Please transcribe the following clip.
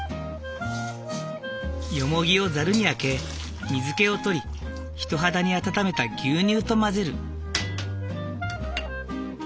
ヨモギをザルにあけ水気を取り人肌に温めた牛乳と混ぜる。